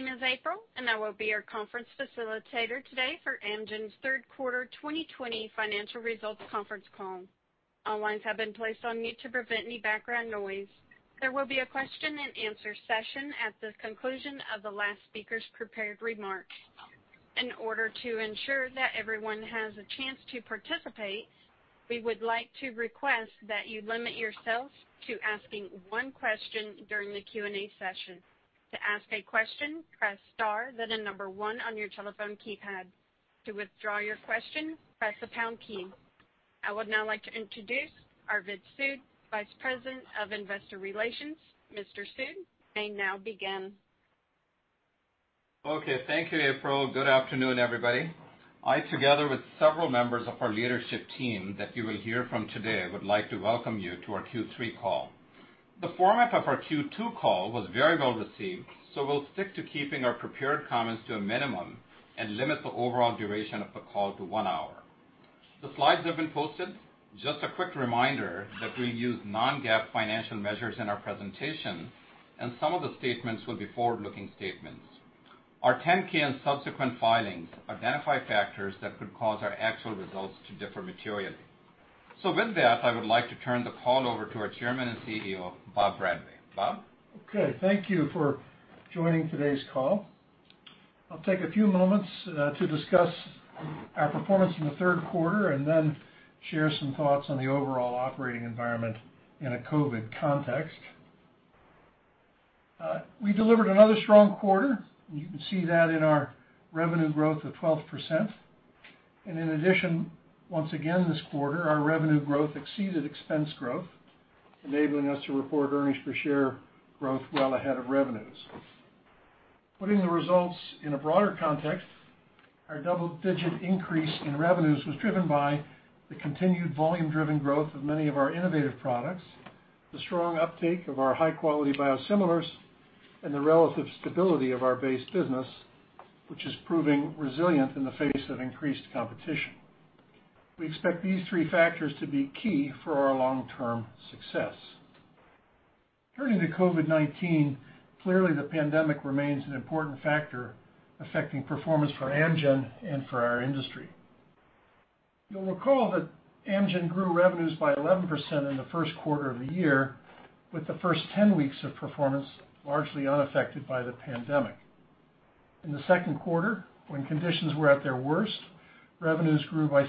My name is April, and I will be your conference facilitator today for Amgen's third quarter 2020 financial results conference call. All lines have been placed on mute to prevent any background noise. There will be a question and answer session at the conclusion of the last speaker's prepared remarks. In order to ensure that everyone has a chance to participate, we would like to request that you limit yourself to asking one question during the Q&A session. To ask a question, press star, then the number one on your telephone keypad. To withdraw your question, press the pound key. I would now like to introduce Arvind Sood, Vice President of Investor Relations. Mr. Sood, you may now begin. Okay. Thank you, April. Good afternoon, everybody. I, together with several members of our leadership team that you will hear from today, would like to welcome you to our Q3 call. The format of our Q2 call was very well received, so we'll stick to keeping our prepared comments to a minimum and limit the overall duration of the call to one hour. The slides have been posted. Just a quick reminder that we use non-GAAP financial measures in our presentation, and some of the statements will be forward-looking statements. Our 10-K and subsequent filings identify factors that could cause our actual results to differ materially. With that, I would like to turn the call over to our Chairman and CEO, Bob Bradway. Bob? Okay, thank you for joining today's call. I'll take a few moments to discuss our performance in the third quarter and then share some thoughts on the overall operating environment in a COVID context. We delivered another strong quarter. You can see that in our revenue growth of 12%. In addition, once again this quarter, our revenue growth exceeded expense growth, enabling us to report earnings per share growth well ahead of revenues. Putting the results in a broader context, our double-digit increase in revenues was driven by the continued volume-driven growth of many of our innovative products, the strong uptake of our high-quality biosimilars, and the relative stability of our base business, which is proving resilient in the face of increased competition. We expect these three factors to be key for our long-term success. Turning to COVID-19, clearly the pandemic remains an important factor affecting performance for Amgen and for our industry. You'll recall that Amgen grew revenues by 11% in the first quarter of the year, with the first 10 weeks of performance largely unaffected by the pandemic. In the second quarter, when conditions were at their worst, revenues grew by 6%.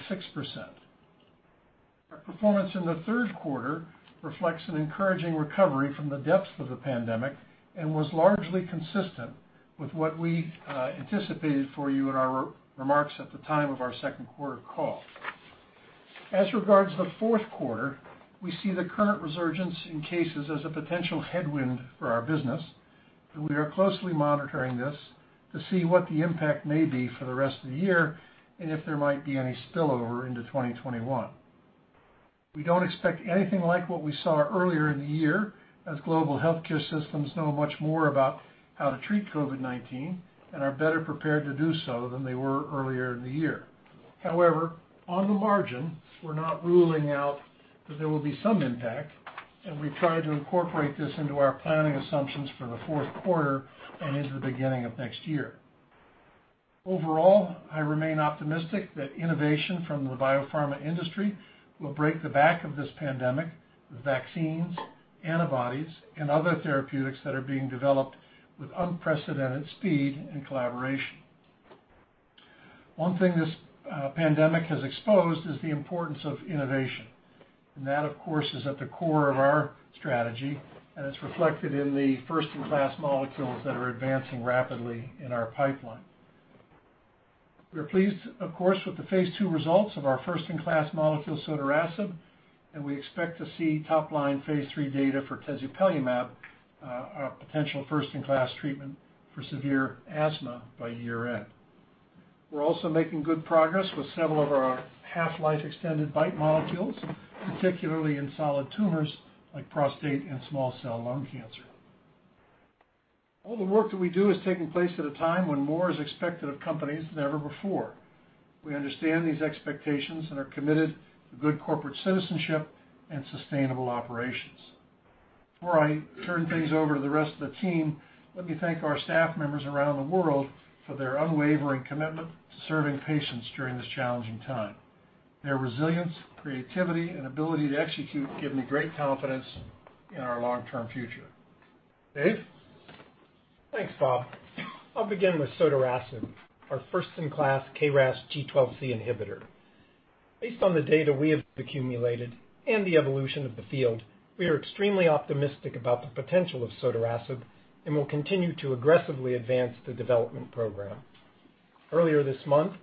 Our performance in the third quarter reflects an encouraging recovery from the depths of the pandemic and was largely consistent with what we anticipated for you in our remarks at the time of our second quarter call. As regards to the fourth quarter, we see the current resurgence in cases as a potential headwind for our business, and we are closely monitoring this to see what the impact may be for the rest of the year and if there might be any spillover into 2021. We don't expect anything like what we saw earlier in the year, as global healthcare systems know much more about how to treat COVID-19 and are better prepared to do so than they were earlier in the year. However, on the margin, we're not ruling out that there will be some impact, and we try to incorporate this into our planning assumptions for the fourth quarter and into the beginning of next year. Overall, I remain optimistic that innovation from the biopharma industry will break the back of this pandemic with vaccines, antibodies, and other therapeutics that are being developed with unprecedented speed and collaboration. One thing this pandemic has exposed is the importance of innovation, and that, of course, is at the core of our strategy and is reflected in the first-in-class molecules that are advancing rapidly in our pipeline. We are pleased, of course, with the phase II results of our first-in-class molecule, sotorasib, and we expect to see top-line phase III data for tezepelumab, our potential first-in-class treatment for severe asthma, by year-end. We're also making good progress with several of our half-life extended BiTE molecules, particularly in solid tumors like prostate and small cell lung cancer. All the work that we do is taking place at a time when more is expected of companies than ever before. We understand these expectations and are committed to good corporate citizenship and sustainable operations. Before I turn things over to the rest of the team, let me thank our staff members around the world for their unwavering commitment to serving patients during this challenging time. Their resilience, creativity, and ability to execute give me great confidence in our long-term future. Dave? Thanks, Bob. I'll begin with sotorasib, our first-in-class KRAS G12C inhibitor. Based on the data we have accumulated and the evolution of the field, we are extremely optimistic about the potential of sotorasib and will continue to aggressively advance the development program. Earlier this month,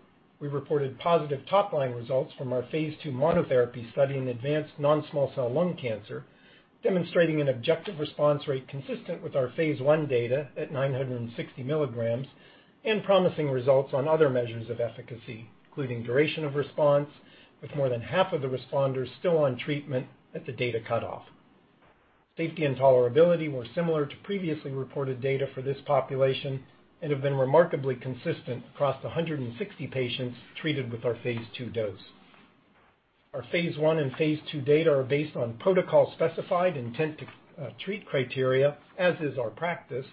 we reported positive top-line results from our phase II monotherapy study in advanced non-small cell lung cancer, demonstrating an objective response rate consistent with our phase I data at 960 mg and promising results on other measures of efficacy, including duration of response, with more than half of the responders still on treatment at the data cutoff. Safety and tolerability were similar to previously reported data for this population and have been remarkably consistent across the 160 patients treated with our phase II dose. Our phase I and phase II data are based on protocol-specified intent-to-treat criteria, as is our practice,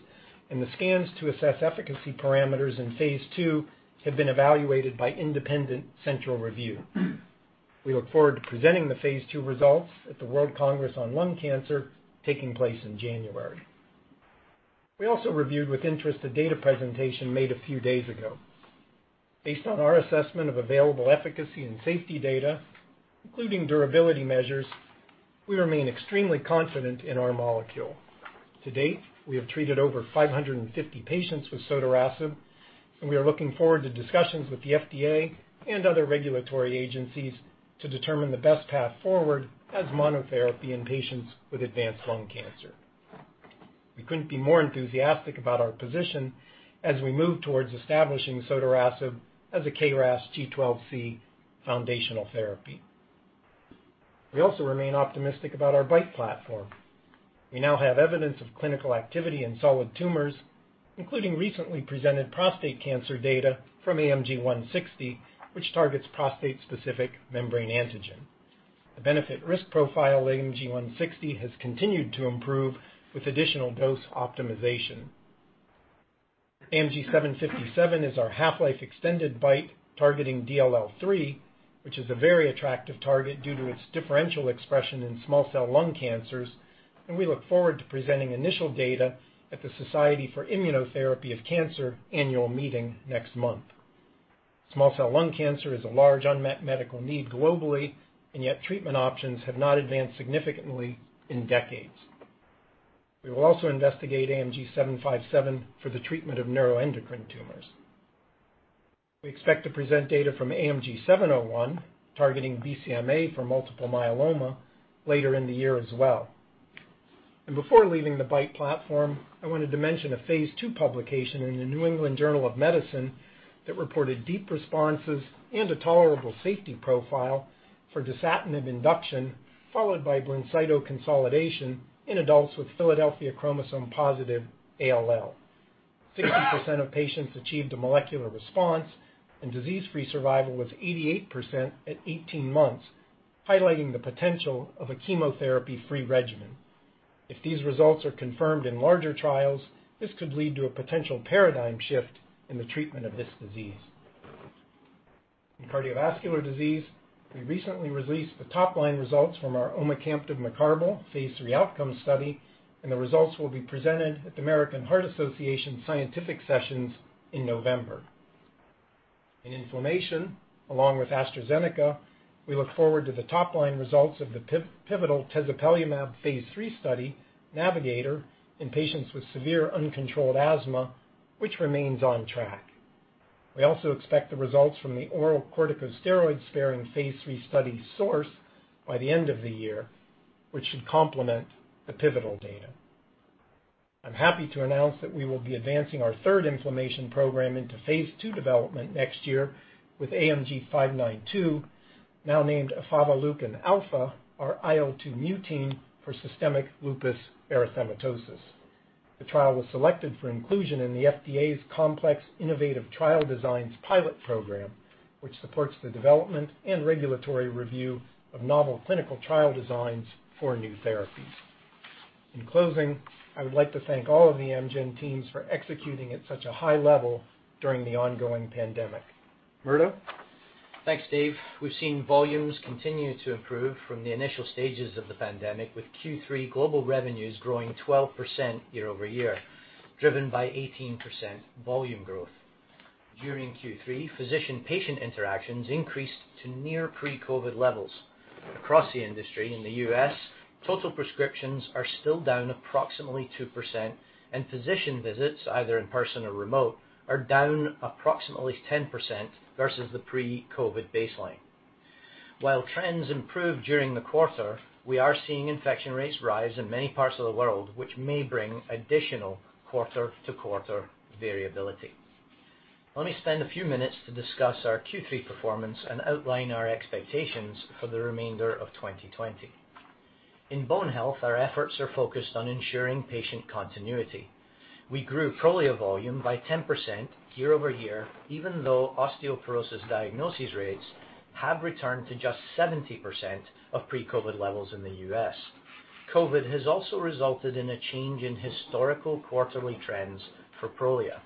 and the scans to assess efficacy parameters in phase II have been evaluated by independent central review. We look forward to presenting the phase II results at the World Congress on Lung Cancer taking place in January. We also reviewed with interest the data presentation made a few days ago. Based on our assessment of available efficacy and safety data, including durability measures, we remain extremely confident in our molecule. To date, we have treated over 550 patients with sotorasib. We are looking forward to discussions with the FDA and other regulatory agencies to determine the best path forward as monotherapy in patients with advanced lung cancer. We couldn't be more enthusiastic about our position as we move towards establishing sotorasib as a KRAS G12C foundational therapy. We also remain optimistic about our BiTE platform. We now have evidence of clinical activity in solid tumors, including recently presented prostate cancer data from AMG 160, which targets prostate-specific membrane antigen. The benefit/risk profile of AMG 160 has continued to improve with additional dose optimization. AMG 757 is our half-life extended BiTE targeting DLL3, which is a very attractive target due to its differential expression in small cell lung cancers. We look forward to presenting initial data at the Society for Immunotherapy of Cancer annual meeting next month. Small cell lung cancer is a large unmet medical need globally, and yet treatment options have not advanced significantly in decades. We will also investigate AMG 757 for the treatment of neuroendocrine tumors. We expect to present data from AMG 701, targeting BCMA for multiple myeloma, later in the year as well. Before leaving the BiTE platform, I wanted to mention a phase II publication in the New England Journal of Medicine that reported deep responses and a tolerable safety profile for dasatinib induction, followed by BLINCYTO consolidation in adults with Philadelphia chromosome-positive ALL. 60% of patients achieved a molecular response, and disease-free survival was 88% at 18 months, highlighting the potential of a chemotherapy-free regimen. If these results are confirmed in larger trials, this could lead to a potential paradigm shift in the treatment of this disease. In cardiovascular disease, we recently released the top-line results from our omecamtiv mecarbil phase III outcome study, and the results will be presented at the American Heart Association Scientific Sessions in November. In inflammation, along with AstraZeneca, we look forward to the top-line results of the pivotal tezepelumab phase III study, NAVIGATOR, in patients with severe uncontrolled asthma, which remains on track. We also expect the results from the oral corticosteroid-sparing phase III study, SOURCE, by the end of the year, which should complement the pivotal data. I'm happy to announce that we will be advancing our third inflammation program into phase II development next year with AMG 592, now named efavaleukin alfa, our IL-2 mutein for systemic lupus erythematosus. The trial was selected for inclusion in the FDA's Complex Innovative Trial Design Pilot Program, which supports the development and regulatory review of novel clinical trial designs for new therapies. In closing, I would like to thank all of the Amgen teams for executing at such a high level during the ongoing pandemic. Murdo? Thanks, Dave. We've seen volumes continue to improve from the initial stages of the pandemic, with Q3 global revenues growing 12% year-over-year, driven by 18% volume growth. During Q3, physician-patient interactions increased to near pre-COVID levels. Across the industry in the U.S., total prescriptions are still down approximately 2%, and physician visits, either in person or remote, are down approximately 10% versus the pre-COVID baseline. While trends improved during the quarter, we are seeing infection rates rise in many parts of the world, which may bring additional quarter-to-quarter variability. Let me spend a few minutes to discuss our Q3 performance and outline our expectations for the remainder of 2020. In bone health, our efforts are focused on ensuring patient continuity. We grew Prolia volume by 10% year-over-year, even though osteoporosis diagnosis rates have returned to just 70% of pre-COVID levels in the U.S. COVID has also resulted in a change in historical quarterly trends for Prolia.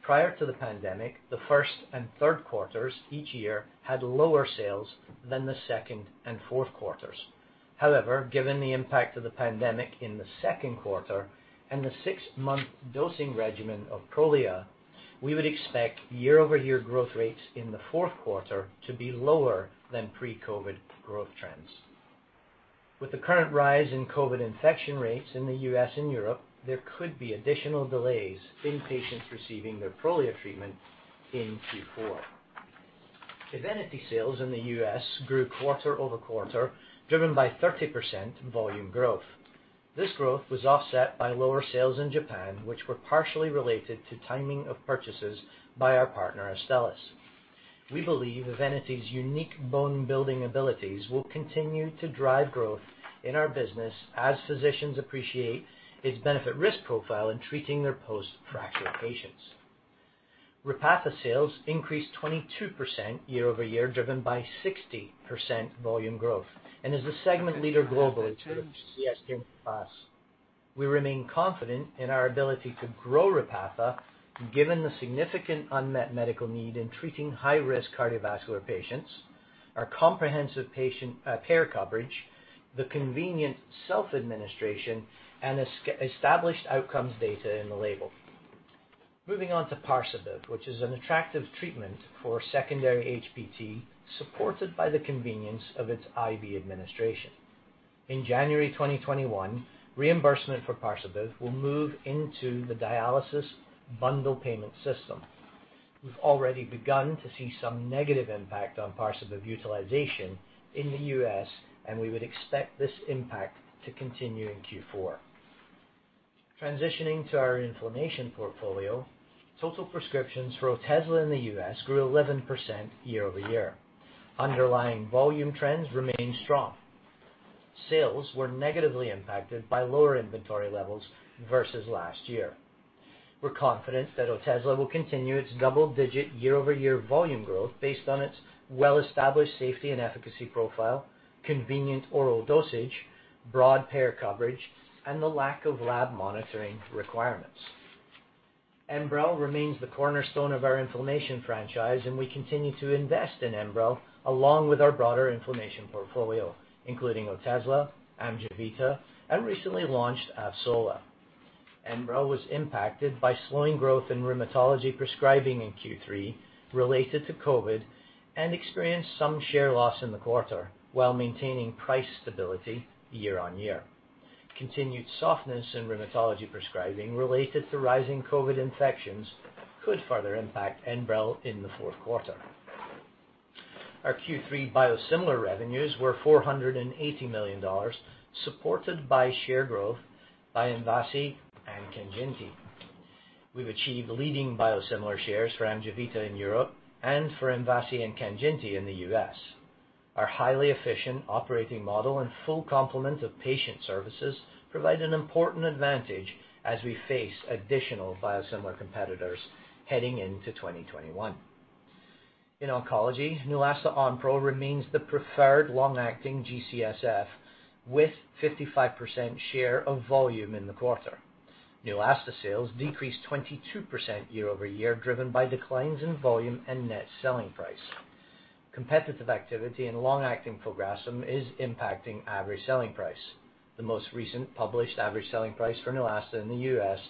Prior to the pandemic, the first and third quarters each year had lower sales than the second and fourth quarters. Given the impact of the pandemic in the second quarter and the six-month dosing regimen of Prolia, we would expect year-over-year growth rates in the fourth quarter to be lower than pre-COVID growth trends. With the current rise in COVID infection rates in the U.S. and Europe, there could be additional delays in patients receiving their Prolia treatment in Q4. EVENITY sales in the U.S. grew quarter-over-quarter, driven by 30% volume growth. This growth was offset by lower sales in Japan, which were partially related to timing of purchases by our partner, Astellas. We believe EVENITY's unique bone-building abilities will continue to drive growth in our business as physicians appreciate its benefit/risk profile in treating their post-fracture patients. REPATHA sales increased 22% year-over-year, driven by 60% volume growth, and is the segment leader globally. We remain confident in our ability to grow REPATHA, given the significant unmet medical need in treating high-risk cardiovascular patients, our comprehensive patient care coverage, the convenient self-administration, and established outcomes data in the label. Parsabiv, which is an attractive treatment for secondary HPT, supported by the convenience of its IV administration. In January 2021, reimbursement for Parsabiv will move into the dialysis bundle payment system. We've already begun to see some negative impact on Parsabiv utilization in the U.S., and we would expect this impact to continue in Q4. Our inflammation portfolio, total prescriptions for OTEZLA in the U.S. grew 11% year-over-year. Underlying volume trends remained strong. Sales were negatively impacted by lower inventory levels versus last year. We're confident that OTEZLA will continue its double-digit year-over-year volume growth based on its well-established safety and efficacy profile, convenient oral dosage, broad payer coverage, and the lack of lab monitoring requirements. ENBREL remains the cornerstone of our inflammation franchise, and we continue to invest in ENBREL along with our broader inflammation portfolio, including OTEZLA, AMGEVITA, and recently launched AVSOLA. ENBREL was impacted by slowing growth in rheumatology prescribing in Q3 related to COVID and experienced some share loss in the quarter while maintaining price stability year-on-year. Continued softness in rheumatology prescribing related to rising COVID infections could further impact ENBREL in the fourth quarter. Our Q3 biosimilar revenues were $480 million, supported by share growth by MVASI and KANJINTI. We've achieved leading biosimilar shares for AMGEVITA in Europe and for MVASI and KANJINTI in the U.S. Our highly efficient operating model and full complement of patient services provide an important advantage as we face additional biosimilar competitors heading into 2021. In oncology, Neulasta Onpro remains the preferred long-acting GCSF with 55% share of volume in the quarter. Neulasta sales decreased 22% year-over-year, driven by declines in volume and net selling price. Competitive activity in long-acting filgrastim is impacting average selling price. The most recent published average selling price for Neulasta in the U.S.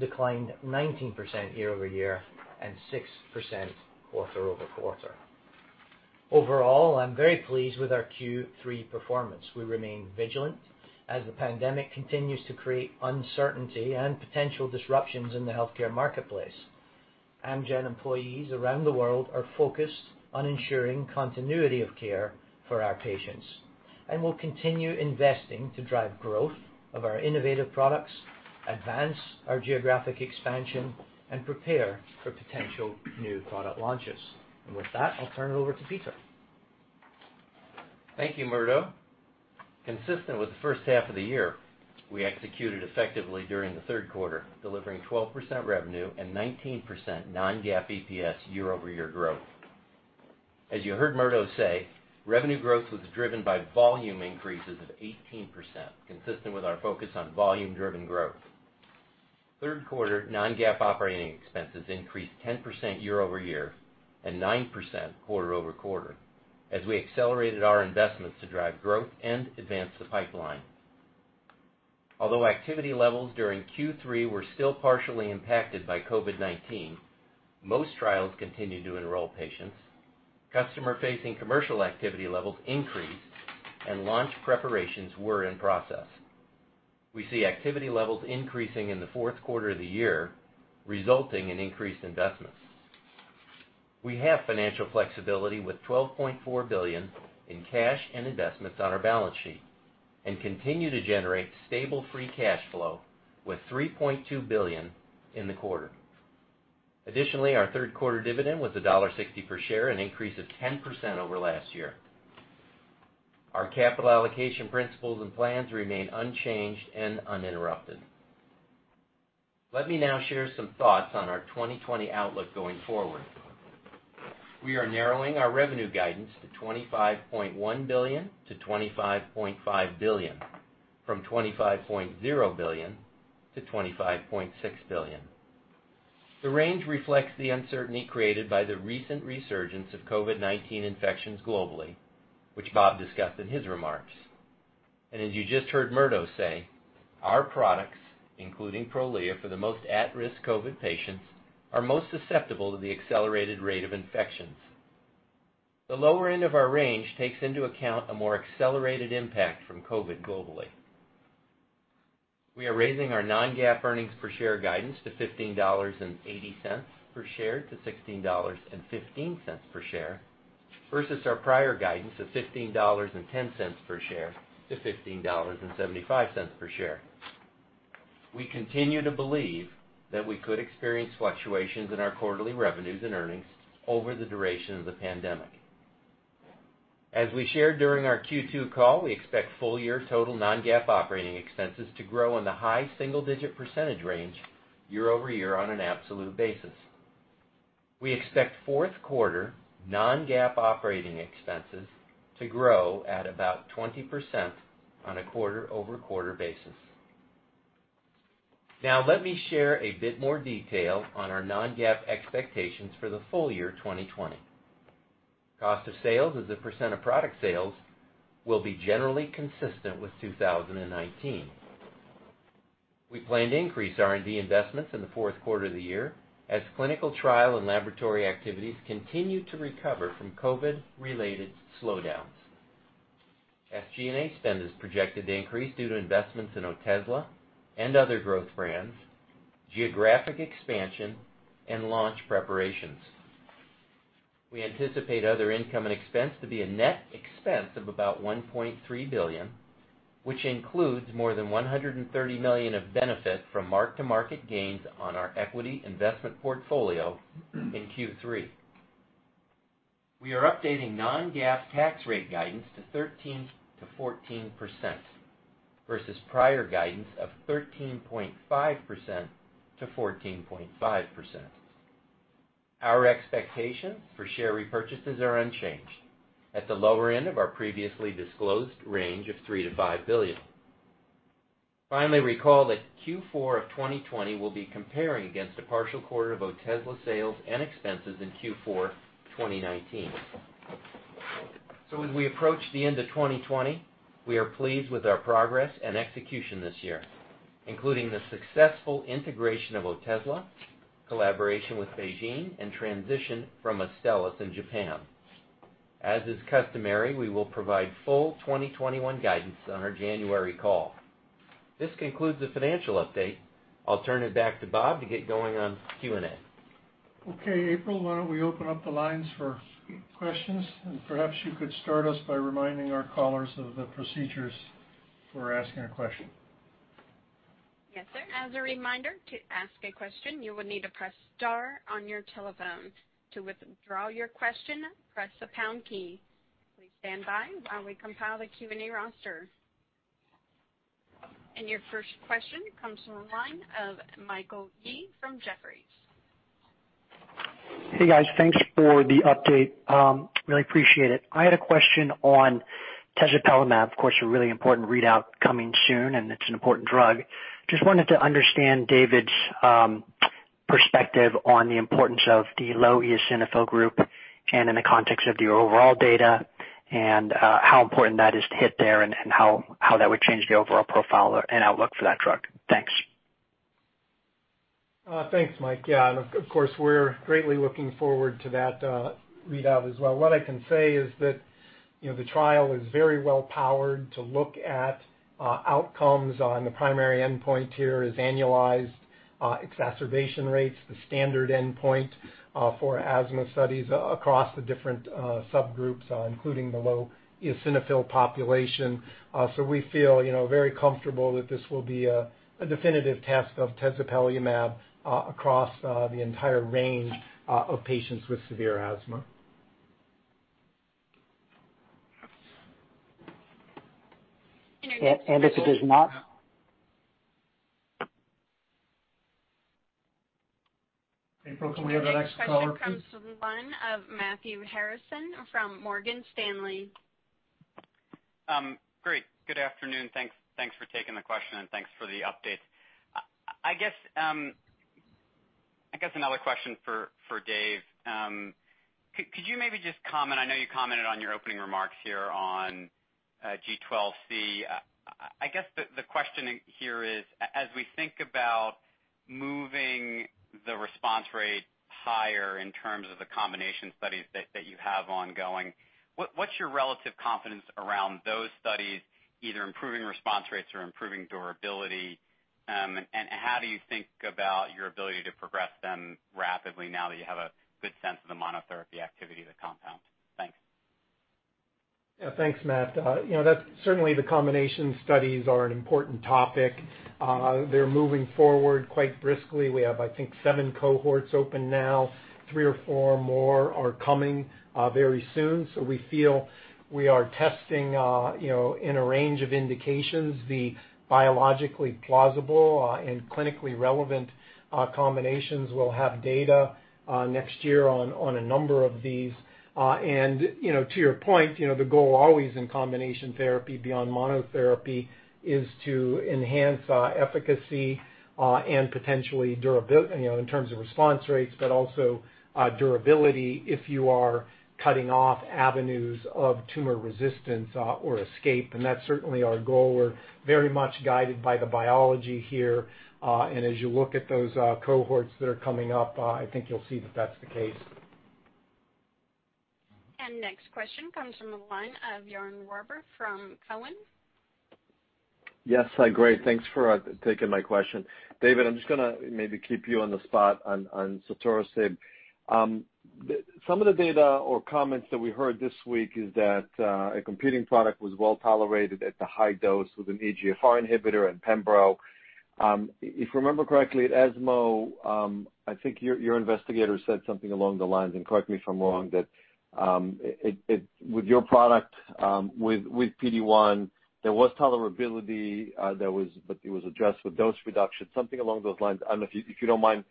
declined 19% year-over-year and 6% quarter-over-quarter. Overall, I'm very pleased with our Q3 performance. We remain vigilant as the pandemic continues to create uncertainty and potential disruptions in the healthcare marketplace. Amgen employees around the world are focused on ensuring continuity of care for our patients. We'll continue investing to drive growth of our innovative products, advance our geographic expansion, and prepare for potential new product launches. With that, I'll turn it over to Peter. Thank you, Murdo. Consistent with the first half of the year, we executed effectively during the third quarter, delivering 12% revenue and 19% non-GAAP EPS year-over-year growth. As you heard Murdo say, revenue growth was driven by volume increases of 18%, consistent with our focus on volume-driven growth. Third quarter non-GAAP operating expenses increased 10% year-over-year and 9% quarter-over-quarter as we accelerated our investments to drive growth and advance the pipeline. Although activity levels during Q3 were still partially impacted by COVID-19, most trials continued to enroll patients. Customer-facing commercial activity levels increased, and launch preparations were in process. We see activity levels increasing in the fourth quarter of the year, resulting in increased investments. We have financial flexibility with $12.4 billion in cash and investments on our balance sheet and continue to generate stable free cash flow with $3.2 billion in the quarter. Additionally, our third quarter dividend was $1.60 per share, an increase of 10% over last year. Our capital allocation principles and plans remain unchanged and uninterrupted. Let me now share some thoughts on our 2020 outlook going forward. We are narrowing our revenue guidance to $25.1 billion-$25.5 billion from $25.0 billion-$25.6 billion. The range reflects the uncertainty created by the recent resurgence of COVID-19 infections globally, which Bob discussed in his remarks. As you just heard Murdo say, our products, including Prolia for the most at-risk COVID patients, are most susceptible to the accelerated rate of infections. The lower end of our range takes into account a more accelerated impact from COVID globally. We are raising our non-GAAP earnings per share guidance to $15.80-$16.15 per share versus our prior guidance of $15.10-$15.75 per share. We continue to believe that we could experience fluctuations in our quarterly revenues and earnings over the duration of the pandemic. As we shared during our Q2 call, we expect full-year total non-GAAP operating expenses to grow in the high single-digit % range year-over-year on an absolute basis. We expect fourth quarter non-GAAP operating expenses to grow at about 20% on a quarter-over-quarter basis. Let me share a bit more detail on our non-GAAP expectations for the full year 2020. Cost of sales as a % of product sales will be generally consistent with 2019. We plan to increase R&D investments in the fourth quarter of the year as clinical trial and laboratory activities continue to recover from COVID-related slowdowns. SG&A spend is projected to increase due to investments in OTEZLA and other growth brands, geographic expansion, and launch preparations. We anticipate other income and expense to be a net expense of about $1.3 billion, which includes more than $130 million of benefit from mark-to-market gains on our equity investment portfolio in Q3. We are updating non-GAAP tax rate guidance to 13%-14%, versus prior guidance of 13.5%-14.5%. Our expectations for share repurchases are unchanged, at the lower end of our previously disclosed range of $3 billion-$5 billion. Finally, recall that Q4 of 2020 will be comparing against a partial quarter of OTEZLA sales and expenses in Q4 2019. As we approach the end of 2020, we are pleased with our progress and execution this year, including the successful integration of OTEZLA, collaboration with BeiGene, and transition from Astellas in Japan. As is customary, we will provide full 2021 guidance on our January call. This concludes the financial update. I'll turn it back to Bob to get going on Q&A. Okay, April, why don't we open up the lines for questions? Perhaps you could start us by reminding our callers of the procedures for asking a question. Yes, sir. As a reminder, to ask a question, you will need to press star on your telephone. To withdraw your question, press the pound key. Please stand by while we compile the Q&A roster. Your first question comes from the line of Michael Yee from Jefferies. Hey, guys. Thanks for the update. Really appreciate it. I had a question on tezepelumab. Of course, a really important readout coming soon, and it's an important drug. Just wanted to understand Dave's perspective on the importance of the low eosinophil group and in the context of the overall data, and how important that is to hit there, and how that would change the overall profile and outlook for that drug. Thanks. Thanks, Mike. Yeah, of course, we're greatly looking forward to that readout as well. What I can say is that the trial is very well powered to look at outcomes on the primary endpoint here is annualized exacerbation rates, the standard endpoint for asthma studies across the different subgroups, including the low eosinophil population. We feel very comfortable that this will be a definitive test of tezepelumab across the entire range of patients with severe asthma. And if it is not- April, can we have the next caller, please? Our next question comes from the line of Matthew Harrison from Morgan Stanley. Great. Good afternoon. Thanks for taking the question. Thanks for the updates. I guess another question for Dave. Could you maybe just comment, I know you commented on your opening remarks here on G12C. I guess the question here is, as we think about moving the response rate higher in terms of the combination studies that you have ongoing, what's your relative confidence around those studies, either improving response rates or improving durability? How do you think about your ability to progress them rapidly now that you have a good sense of the monotherapy activity of the compound? Thanks. Yeah. Thanks, Matt. Certainly, the combination studies are an important topic. They're moving forward quite briskly. We have, I think, seven cohorts open now. Three or four more are coming very soon. We feel we are testing in a range of indications the biologically plausible and clinically relevant combinations. We'll have data next year on a number of these. To your point, the goal always in combination therapy beyond monotherapy is to enhance efficacy and potentially in terms of response rates, but also durability if you are cutting off avenues of tumor resistance or escape. That's certainly our goal. We're very much guided by the biology here. As you look at those cohorts that are coming up, I think you'll see that that's the case. Next question comes from the line of Yaron Werber from Cowen. Yes. Hi, great. Thanks for taking my question. Dave, I'm just going to maybe keep you on the spot on sotorasib. Some of the data or comments that we heard this week is that a competing product was well-tolerated at the high dose with an EGFR inhibitor and pembro. If I remember correctly, at ESMO, I think your investigator said something along the lines, and correct me if I'm wrong, that with your product, with PD-1, there was tolerability, but it was addressed with dose reduction. Something along those lines. If you don't mind,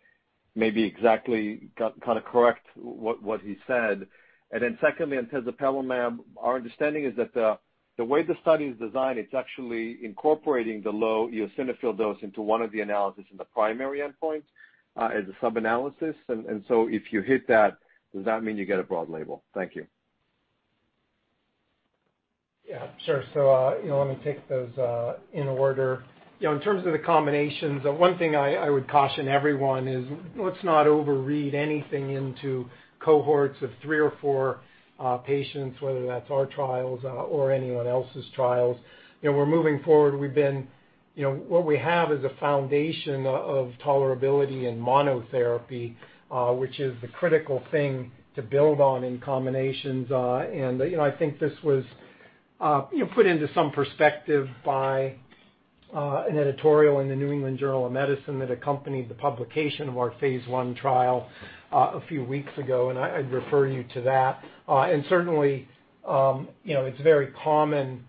maybe exactly kind of correct what he said. Secondly, on tezepelumab, our understanding is that the way the study is designed, it's actually incorporating the low eosinophil dose into one of the analysis in the primary endpoint as a sub-analysis. If you hit that, does that mean you get a broad label? Thank you. Yeah, sure. Let me take those in order. In terms of the combinations, one thing I would caution everyone is, let's not overread anything into cohorts of three or four patients, whether that's our trials or anyone else's trials. We're moving forward. What we have is a foundation of tolerability in monotherapy, which is the critical thing to build on in combinations. I think this was put into some perspective by an editorial in the New England Journal of Medicine that accompanied the publication of our phase I trial a few weeks ago, and I'd refer you to that. Certainly, it's very common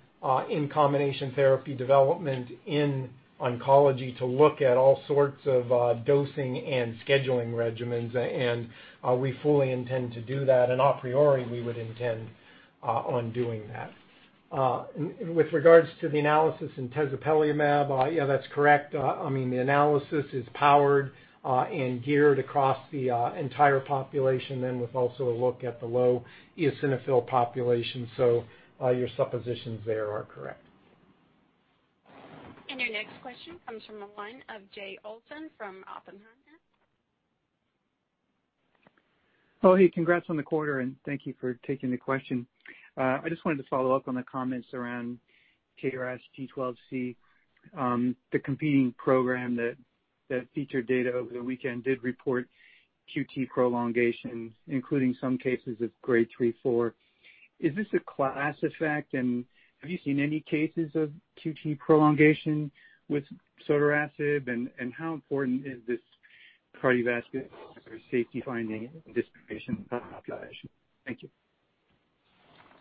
in combination therapy development in oncology to look at all sorts of dosing and scheduling regimens, and we fully intend to do that. A priori, we would intend on doing that. With regards to the analysis in tezepelumab, yeah, that's correct. The analysis is powered and geared across the entire population then with also a look at the low eosinophil population. Your suppositions there are correct. Your next question comes from the line of Jay Olson from Oppenheimer. Oh, hey, congrats on the quarter, and thank you for taking the question. I just wanted to follow up on the comments around KRAS G12C. The competing program that featured data over the weekend did report QT prolongation, including some cases of grade 3/4. Is this a class effect, have you seen any cases of QT prolongation with sotorasib? How important is this cardiovascular safety finding in this population? Thank you.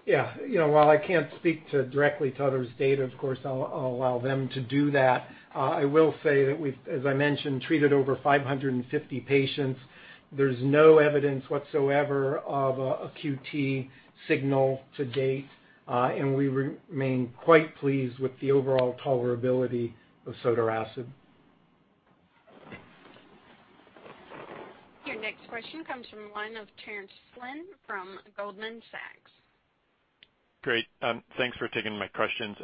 Yeah. While I can't speak directly to others' data, of course I'll allow them to do that. I will say that we've, as I mentioned, treated over 550 patients. There's no evidence whatsoever of a QT signal to date. We remain quite pleased with the overall tolerability of sotorasib. Your next question comes from the line of Terence Flynn from Goldman Sachs. Great. Thanks for taking my questions.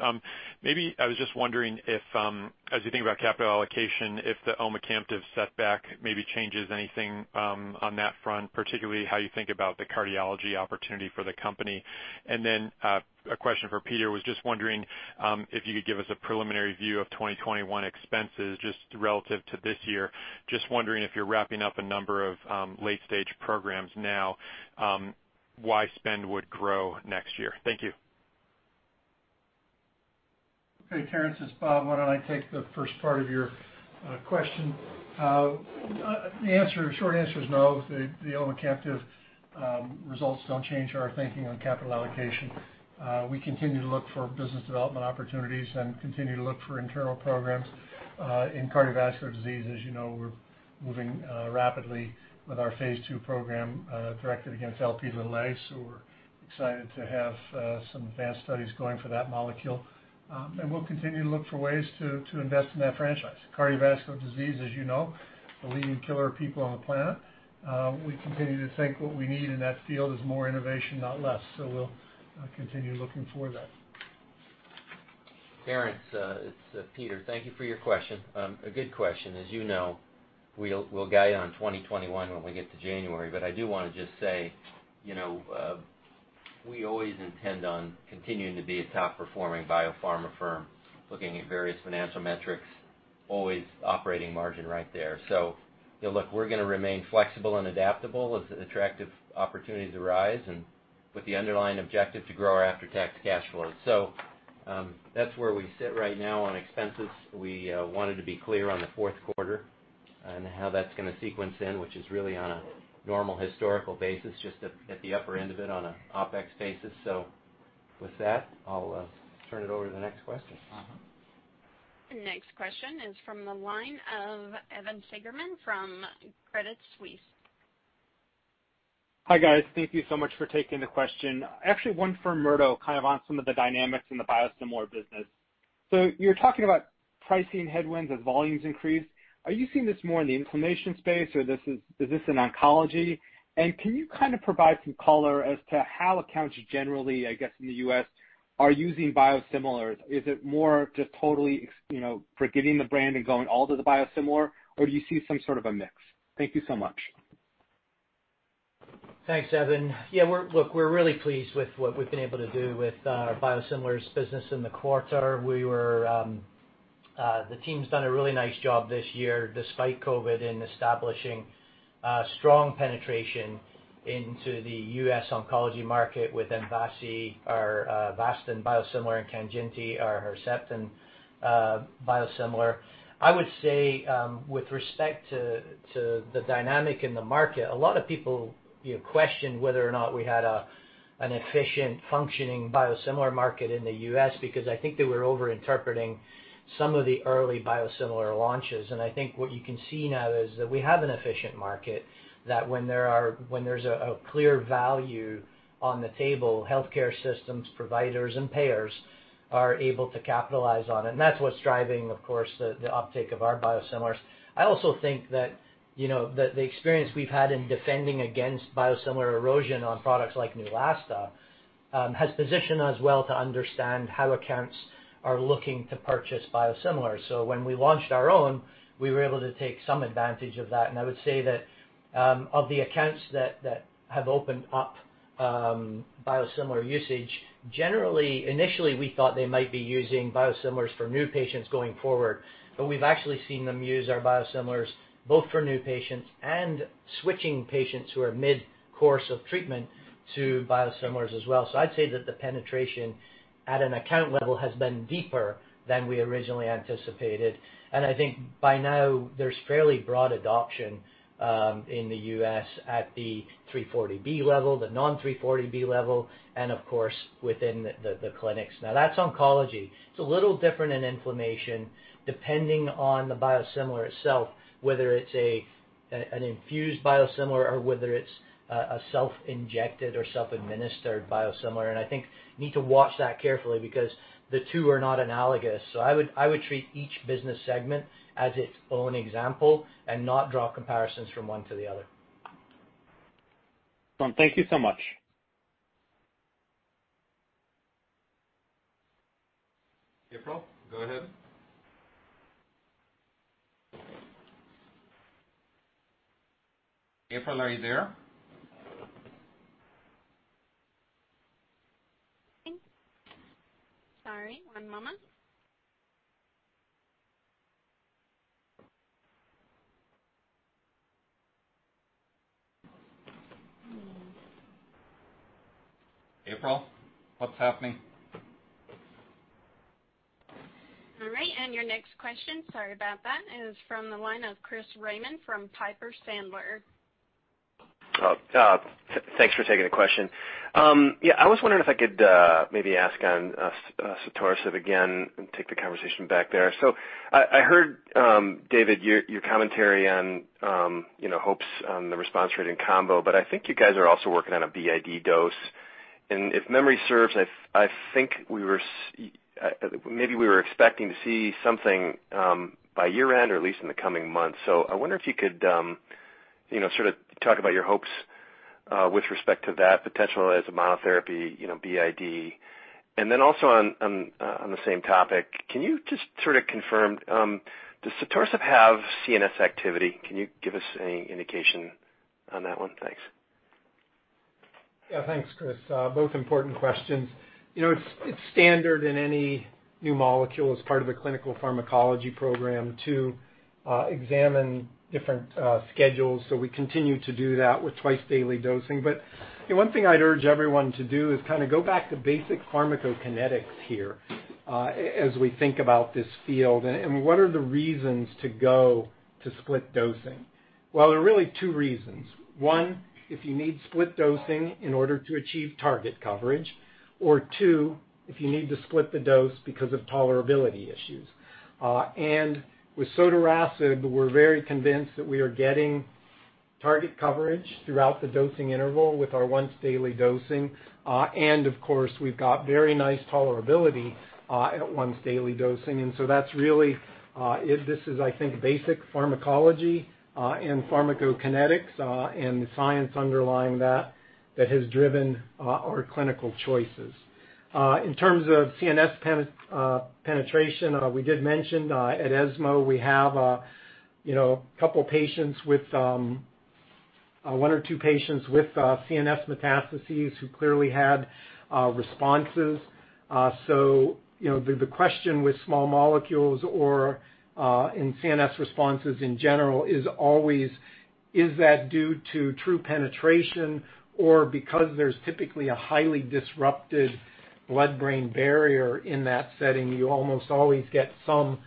Maybe I was just wondering if, as you think about capital allocation, if the omecamtiv setback maybe changes anything on that front, particularly how you think about the cardiology opportunity for the company. A question for Peter. Was just wondering if you could give us a preliminary view of 2021 expenses just relative to this year. Just wondering if you're wrapping up a number of late-stage programs now, why spend would grow next year? Thank you. Hey, Terence, it's Bob. Why don't I take the first part of your question? The short answer is no, the omecamtiv results don't change our thinking on capital allocation. We continue to look for business development opportunities and continue to look for internal programs in cardiovascular disease. As you know, we're moving rapidly with our phase II program directed against Lp(a), we're excited to have some advanced studies going for that molecule. We'll continue to look for ways to invest in that franchise. Cardiovascular disease, as you know, the leading killer of people on the planet. We continue to think what we need in that field is more innovation, not less. We'll continue looking for that. Terence, it's Peter. Thank you for your question. A good question. As you know, we'll guide on 2021 when we get to January. I do want to just say, we always intend on continuing to be a top-performing biopharma firm, looking at various financial metrics, always operating margin right there. Look, we're going to remain flexible and adaptable as attractive opportunities arise and with the underlying objective to grow our after-tax cash flows. That's where we sit right now on expenses. We wanted to be clear on the fourth quarter and how that's going to sequence in, which is really on a normal historical basis, just at the upper end of it on a OPEX basis. With that, I'll turn it over to the next question. Next question is from the line of Evan Seigerman from Credit Suisse. Hi, guys. Thank you so much for taking the question. Actually one for Murdo, kind of on some of the dynamics in the biosimilar business. You're talking about pricing headwinds as volumes increase. Are you seeing this more in the inflammation space, or is this in oncology? Can you kind of provide some color as to how accounts generally, I guess, in the U.S. are using biosimilars? Is it more just totally forgetting the brand and going all to the biosimilar, or do you see some sort of a mix? Thank you so much. Thanks, Evan. Yeah, look, we're really pleased with what we've been able to do with our biosimilars business in the quarter. We were The team's done a really nice job this year, despite COVID, in establishing strong penetration into the U.S. oncology market with MVASI, our Avastin biosimilar, and KANJINTI, our Herceptin biosimilar. I would say, with respect to the dynamic in the market, a lot of people questioned whether or not we had an efficient, functioning biosimilar market in the U.S. because I think they were over-interpreting some of the early biosimilar launches. I think what you can see now is that we have an efficient market, that when there's a clear value on the table, healthcare systems providers and payers are able to capitalize on it. That's what's driving, of course, the uptake of our biosimilars. I also think that the experience we've had in defending against biosimilar erosion on products like Neulasta has positioned us well to understand how accounts are looking to purchase biosimilars. When we launched our own, we were able to take some advantage of that. I would say that of the accounts that have opened up biosimilar usage, generally, initially, we thought they might be using biosimilars for new patients going forward, but we've actually seen them use our biosimilars both for new patients and switching patients who are mid-course of treatment to biosimilars as well. I'd say that the penetration at an account level has been deeper than we originally anticipated. I think by now there's fairly broad adoption in the U.S. at the 340B level, the non-340B level, and of course, within the clinics. That's oncology. It's a little different in inflammation, depending on the biosimilar itself, whether it's an infused biosimilar or whether it's a self-injected or self-administered biosimilar. I think you need to watch that carefully, because the two are not analogous. I would treat each business segment as its own example and not draw comparisons from one to the other. Thank you so much. April, go ahead. April, are you there? Sorry, one moment. April, what's happening? All right. Your next question, sorry about that, is from the line of Chris Raymond from Piper Sandler. Thanks for taking the question. I was wondering if I could maybe ask on sotorasib again and take the conversation back there. I heard, Dave, your commentary on hopes on the response rate in combo, but I think you guys are also working on a BID dose. If memory serves, maybe we were expecting to see something by year-end or at least in the coming months. I wonder if you could talk about your hopes with respect to that potential as a monotherapy BID. Then also on the same topic, can you just confirm, does sotorasib have CNS activity? Can you give us any indication on that one? Thanks. Thanks, Chris. Both important questions. It's standard in any new molecule as part of the clinical pharmacology program to examine different schedules. We continue to do that with twice-daily dosing. One thing I'd urge everyone to do is go back to basic pharmacokinetics here as we think about this field, and what are the reasons to go to split dosing? Well, there are really two reasons. One, if you need split dosing in order to achieve target coverage, or two, if you need to split the dose because of tolerability issues. With sotorasib, we're very convinced that we are getting target coverage throughout the dosing interval with our once-daily dosing. Of course, we've got very nice tolerability at once-daily dosing. That's really, this is, I think, basic pharmacology and pharmacokinetics, and the science underlying that has driven our clinical choices. In terms of CNS penetration, we did mention at ESMO, we have one or two patients with CNS metastases who clearly had responses. The question with small molecules or in CNS responses in general is always, is that due to true penetration or because there's typically a highly disrupted blood-brain barrier in that setting, you almost always get some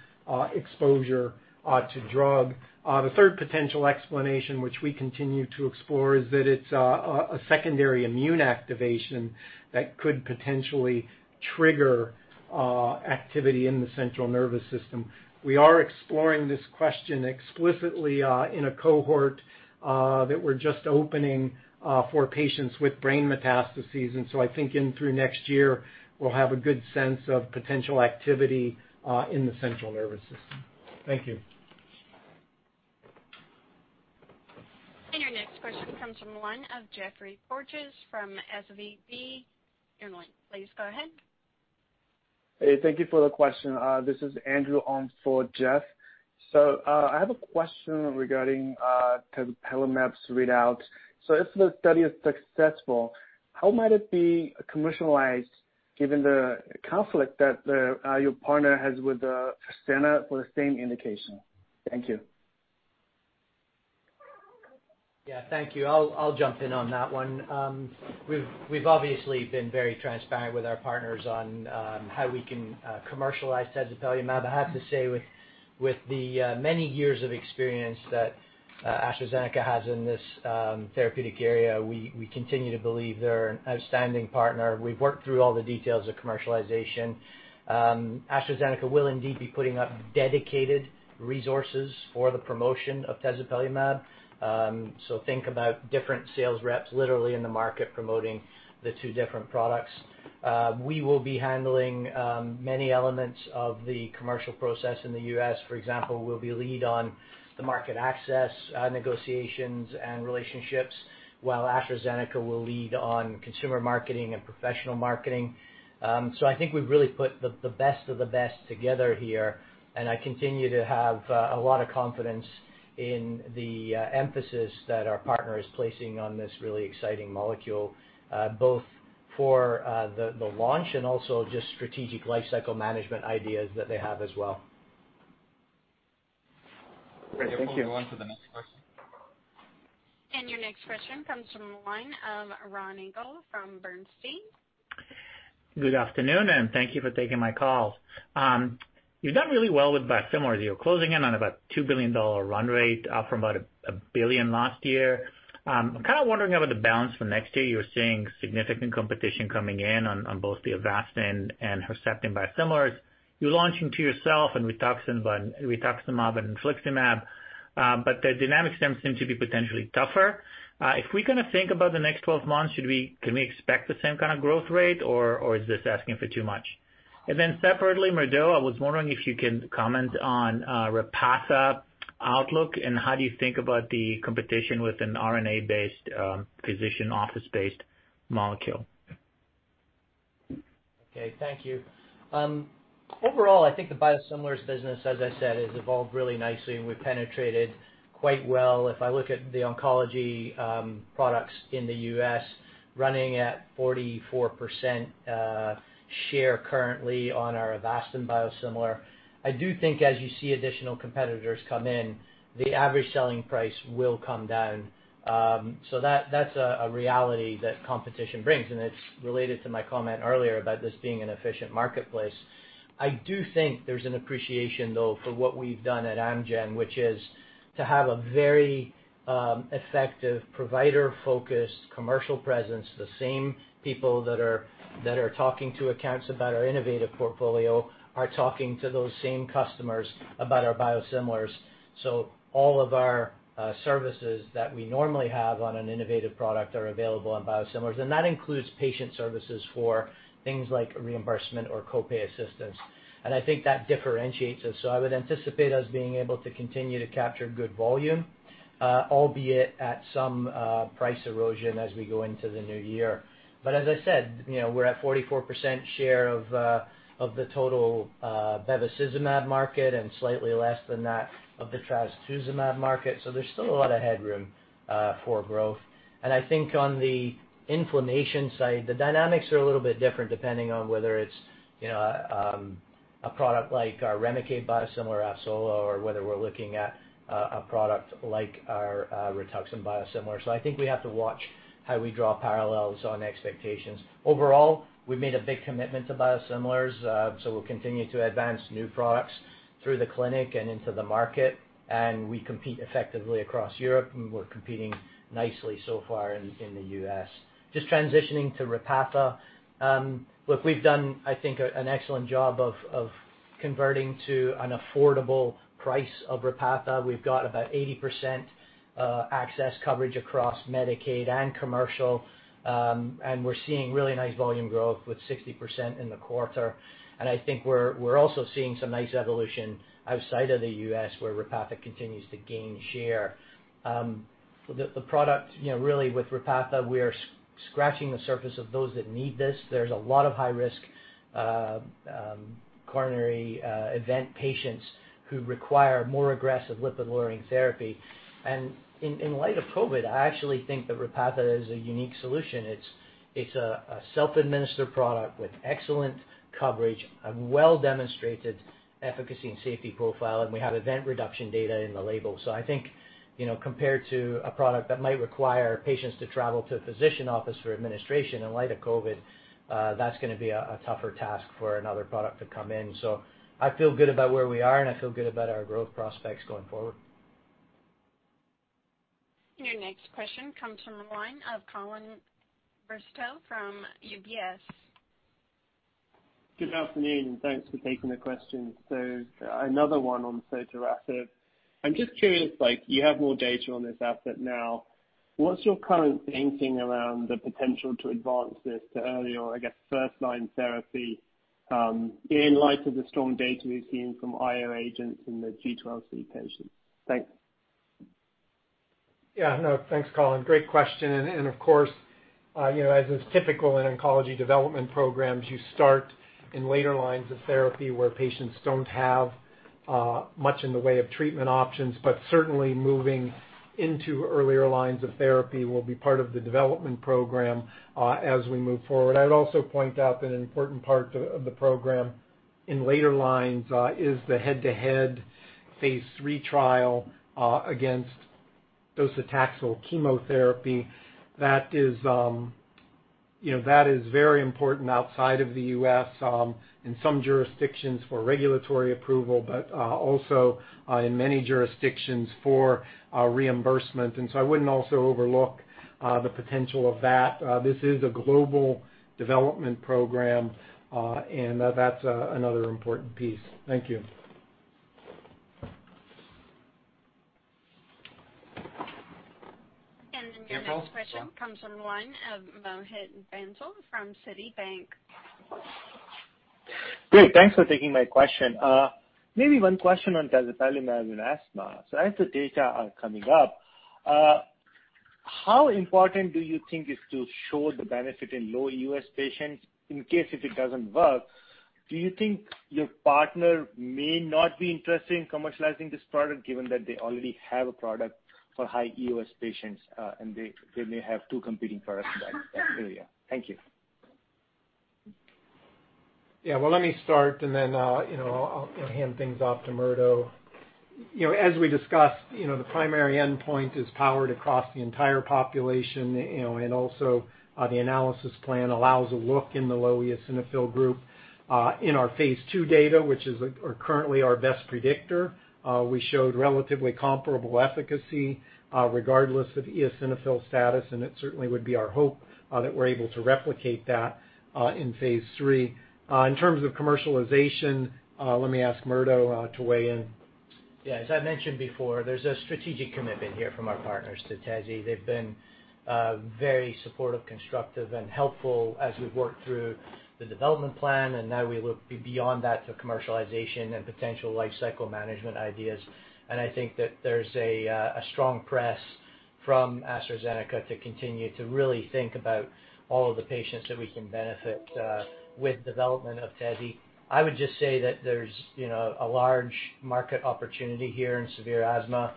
exposure to drug. The third potential explanation, which we continue to explore, is that it's a secondary immune activation that could potentially trigger activity in the central nervous system. We are exploring this question explicitly in a cohort that we're just opening for patients with brain metastases. I think in through next year, we'll have a good sense of potential activity in the central nervous system. Thank you. Your next question comes from the line of Geoffrey Porges from SVB. Your line. Please go ahead. Hey, thank you for the question. This is Andrew on for Geoff. I have a question regarding tezepelumab's readout. If the study is successful, how might it be commercialized given the conflict that your partner has with AstraZeneca for the same indication? Thank you. Yeah, thank you. I'll jump in on that one. We've obviously been very transparent with our partners on how we can commercialize tezepelumab. I have to say, with the many years of experience that AstraZeneca has in this therapeutic area, we continue to believe they're an outstanding partner. We've worked through all the details of commercialization. AstraZeneca will indeed be putting up dedicated resources for the promotion of tezepelumab. Think about different sales reps literally in the market promoting the two different products. We will be handling many elements of the commercial process in the U.S., for example, we'll be lead on the market access, negotiations, and relationships, while AstraZeneca will lead on consumer marketing and professional marketing. I think we've really put the best of the best together here, and I continue to have a lot of confidence in the emphasis that our partner is placing on this really exciting molecule. Both for the launch and also just strategic life cycle management ideas that they have as well. Great. Thank you. We'll move on to the next question. Your next question comes from the line of Ronny Gal from Bernstein. Good afternoon, and thank you for taking my call. You've done really well with biosimilar. You're closing in on about $2 billion run rate from about $1 billion last year. I'm kind of wondering about the balance for next year. You're seeing significant competition coming in on both the Avastin and Herceptin biosimilars. You're launching two yourself rituximab and infliximab. The dynamic stem seem to be potentially tougher. If we're going to think about the next 12 months, can we expect the same kind of growth rate, or is this asking for too much? Separately, Murdo, I was wondering if you can comment on REPATHA outlook and how do you think about the competition with an siRNA-based, physician office-based molecule? Okay. Thank you. Overall, I think the biosimilars business, as I said, has evolved really nicely, and we've penetrated quite well. If I look at the oncology products in the U.S., running at 44% share currently on our Avastin biosimilar. I do think as you see additional competitors come in, the average selling price will come down. That's a reality that competition brings, and it's related to my comment earlier about this being an efficient marketplace. I do think there's an appreciation, though, for what we've done at Amgen, which is to have a very effective provider focus, commercial presence. The same people that are talking to accounts about our innovative portfolio are talking to those same customers about our biosimilars. All of our services that we normally have on an innovative product are available on biosimilars, and that includes patient services for things like reimbursement or co-pay assistance. I think that differentiates us. I would anticipate us being able to continue to capture good volume, albeit at some price erosion as we go into the new year. As I said, we're at 44% share of the total bevacizumab market and slightly less than that of the trastuzumab market. There's still a lot of headroom for growth. I think on the inflammation side, the dynamics are a little bit different depending on whether it's a product like our Remicade biosimilar, AVSOLA, or whether we're looking at a product like our Rituxan biosimilar. I think we have to watch how we draw parallels on expectations. Overall, we've made a big commitment to biosimilars. We'll continue to advance new products through the clinic and into the market. We compete effectively across Europe. We're competing nicely so far in the U.S. Just transitioning to REPATHA. Look, we've done, I think, an excellent job of converting to an affordable price of REPATHA. We've got about 80% access coverage across Medicaid and commercial. We're seeing really nice volume growth with 60% in the quarter. I think we're also seeing some nice evolution outside of the U.S. where REPATHA continues to gain share. The product really with REPATHA, we are scratching the surface of those that need this. There's a lot of high risk coronary event patients who require more aggressive lipid-lowering therapy. In light of COVID, I actually think that REPATHA is a unique solution. It's a self-administered product with excellent coverage, a well-demonstrated efficacy and safety profile, and we have event reduction data in the label. I think, compared to a product that might require patients to travel to a physician office for administration in light of COVID, that's going to be a tougher task for another product to come in. I feel good about where we are, and I feel good about our growth prospects going forward. Your next question comes from the line of Colin Bristow from UBS. Good afternoon, thanks for taking the question. Another one on sotorasib. I'm just curious, you have more data on this asset now. What's your current thinking around the potential to advance this to early, or I guess, first-line therapy, in light of the strong data we've seen from IO agents in the G12C patients? Thanks. No, thanks, Colin. Great question. Of course, as is typical in oncology development programs, you start in later lines of therapy where patients don't have much in the way of treatment options. Certainly moving into earlier lines of therapy will be part of the development program, as we move forward. I would also point out that an important part of the program in later lines is the head-to-head phase III trial against docetaxel chemotherapy. That is very important outside of the U.S., in some jurisdictions for regulatory approval, but also in many jurisdictions for reimbursement. I wouldn't also overlook the potential of that. This is a global development program, and that's another important piece. Thank you. Your next question. Comes from the line of Mohit Bansal from Citi. Great. Thanks for taking my question. Maybe one question on tezepelumab in asthma. As the data are coming up, how important do you think is to show the benefit in low EOS patients in case if it doesn't work? Do you think your partner may not be interested in commercializing this product given that they already have a product for high EOS patients, and they may have two competing products in that area? Thank you. Yeah. Well, let me start and then I'll hand things off to Murdo. As we discussed, the primary endpoint is powered across the entire population, and also the analysis plan allows a look in the low eosinophil group, in our phase II data, which is currently our best predictor. We showed relatively comparable efficacy regardless of eosinophil status, and it certainly would be our hope that we're able to replicate that in phase III. In terms of commercialization, let me ask Murdo to weigh in. Yeah. As I mentioned before, there's a strategic commitment here from our partners to Tezi. They've been very supportive, constructive and helpful as we've worked through the development plan, and now we look beyond that to commercialization and potential life cycle management ideas. I think that there's a strong press from AstraZeneca to continue to really think about all of the patients that we can benefit with development of Tezi. I would just say that there's a large market opportunity here in severe asthma.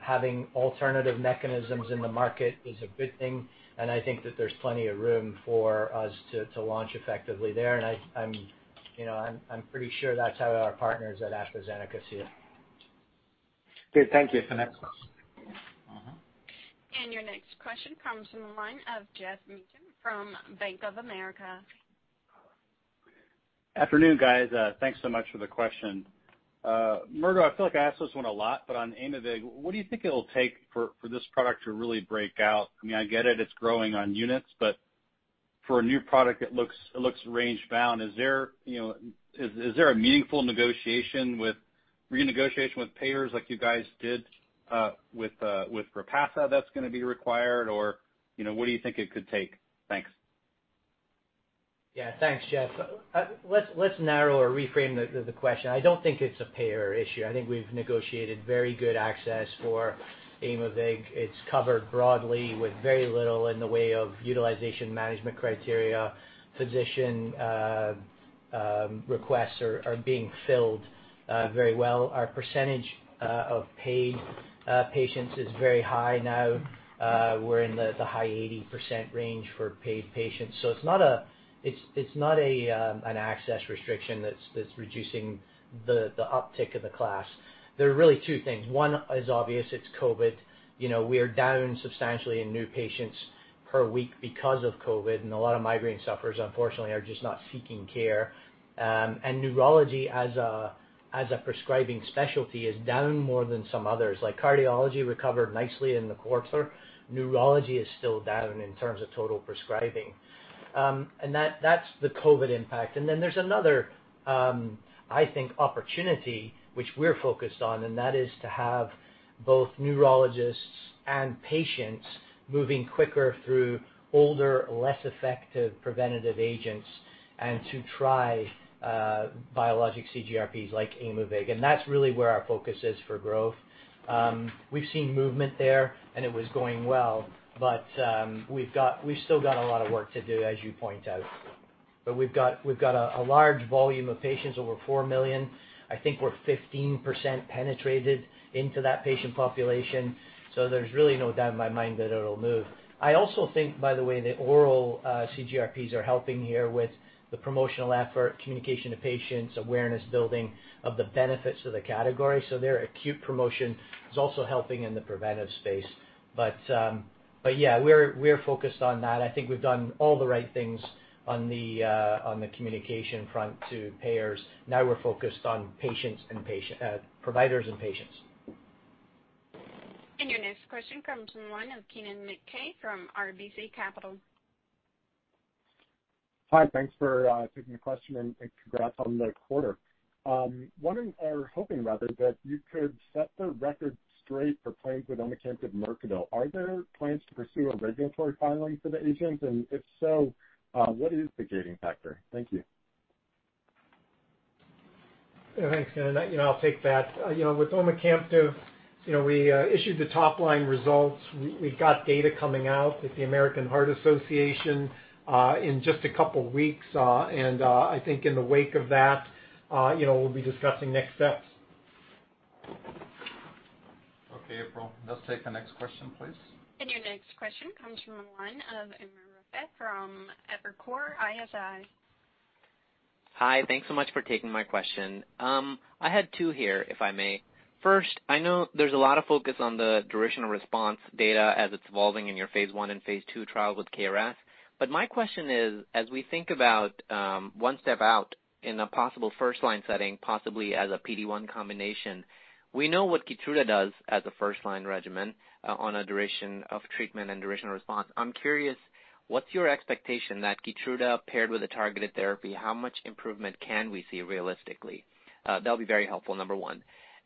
Having alternative mechanisms in the market is a good thing, and I think that there's plenty of room for us to launch effectively there. I'm pretty sure that's how our partners at AstraZeneca see it. Great. Thank you. The next question. Your next question comes from the line of Geoff Meacham from Bank of America. Afternoon, guys. Thanks so much for the question. Murdo, I feel like I ask this one a lot, but on Aimovig, what do you think it'll take for this product to really break out? I get it's growing on units, but for a new product, it looks range bound. Is there a meaningful renegotiation with payers like you guys did with REPATHA that's going to be required? What do you think it could take? Thanks. Thanks, Geoff. Let's narrow or reframe the question. I don't think it's a payer issue. I think we've negotiated very good access for Aimovig. It's covered broadly with very little in the way of utilization management criteria. Physician requests are being filled very well. Our percentage of paid patients is very high now. We're in the high 80% range for paid patients. It's not an access restriction that's reducing the uptick of the class. There are really two things. One is obvious, it's COVID. We are down substantially in new patients per week because of COVID, and a lot of migraine sufferers unfortunately, are just not seeking care. Neurology as a prescribing specialty is down more than some others. Cardiology recovered nicely in the quarter. Neurology is still down in terms of total prescribing. That's the COVID impact. There's another, I think, opportunity which we're focused on, and that is to have both neurologists and patients moving quicker through older, less effective preventative agents and to try biologic CGRPs like Aimovig. That's really where our focus is for growth. We've seen movement there, and it was going well, but we've still got a lot of work to do, as you point out. We've got a large volume of patients, over 4 million. I think we're 15% penetrated into that patient population. There's really no doubt in my mind that it'll move. I also think, by the way, that oral CGRPs are helping here with the promotional effort, communication to patients, awareness building of the benefits of the category. Their acute promotion is also helping in the preventive space. Yeah, we're focused on that. I think we've done all the right things on the communication front to payers. Now we're focused on providers and patients. Your next question comes from the line of Kennen MacKay from RBC Capital. Hi, thanks for taking the question and congrats on the quarter. Wondering or hoping, rather, that you could set the record straight for plans with omecamtiv mecarbil. Are there plans to pursue a regulatory filing for the agent? If so, what is the gating factor? Thank you. Thanks. I'll take that. With omecamtiv, we issued the top-line results. We've got data coming out at the American Heart Association in just a couple of weeks. I think in the wake of that, we'll be discussing next steps. Okay, April, let's take the next question, please. Your next question comes from the line of Umer Raffat from Evercore ISI. Hi. Thanks so much for taking my question. I had two here, if I may. First, I know there's a lot of focus on the duration response data as it's evolving in your phase I and phase II trials with KRAS. My question is, as we think about one step out in a possible first-line setting, possibly as a PD-1 combination, we know what KEYTRUDA does as a first-line regimen on a duration of treatment and duration of response. I'm curious, what's your expectation that KEYTRUDA paired with a targeted therapy, how much improvement can we see realistically? That'll be very helpful, number one.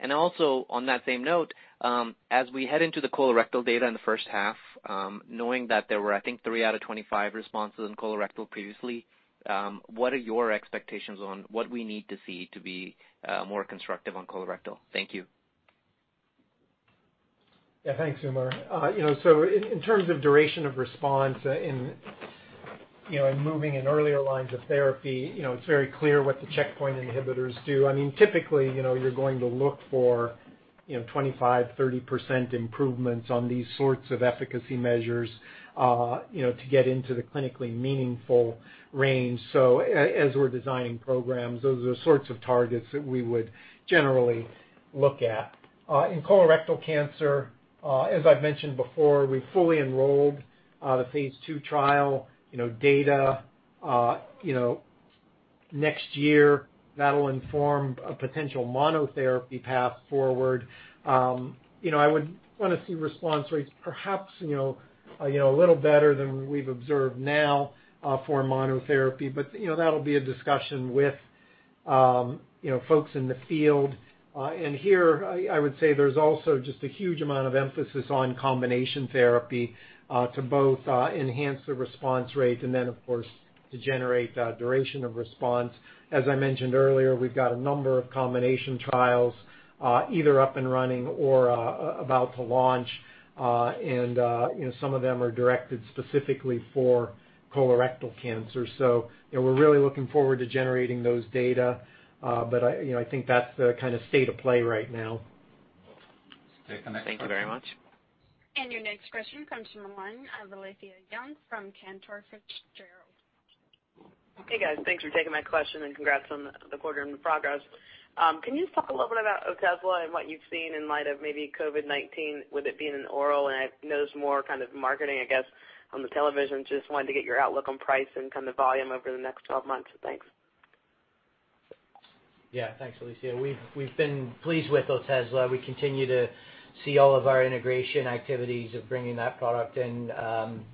Also on that same note, as we head into the colorectal data in the first half, knowing that there were, I think, three out of 25 responses in colorectal previously, what are your expectations on what we need to see to be more constructive on colorectal? Thank you. Thanks, Umer. In terms of duration of response in moving in earlier lines of therapy, it's very clear what the checkpoint inhibitors do. Typically, you're going to look for 25%-30% improvements on these sorts of efficacy measures to get into the clinically meaningful range. As we're designing programs, those are the sorts of targets that we would generally look at. In colorectal cancer, as I've mentioned before, we fully enrolled the phase II trial data. Next year, that'll inform a potential monotherapy path forward. I would want to see response rates perhaps a little better than we've observed now for monotherapy. That'll be a discussion with folks in the field. Here, I would say there's also just a huge amount of emphasis on combination therapy to both enhance the response rate and then, of course, to generate duration of response. As I mentioned earlier, we've got a number of combination trials either up and running or about to launch. Some of them are directed specifically for colorectal cancer. We're really looking forward to generating those data. I think that's the kind of state of play right now. Take the next question. Thank you very much. Your next question comes from the line of Alethia Young from Cantor Fitzgerald. Hey, guys. Thanks for taking my question and congrats on the quarter and the progress. Can you talk a little bit about OTEZLA and what you've seen in light of maybe COVID-19 with it being an oral? I've noticed more kind of marketing, I guess, on the television. Just wanted to get your outlook on price and kind of volume over the next 12 months. Thanks. Thanks, Alethia. We've been pleased with OTEZLA. We continue to see all of our integration activities of bringing that product and